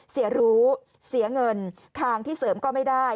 เสียรู้เสียเงินคางที่เสริมก็ไม่ได้